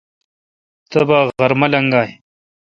تبا غرمہ لگائہ۔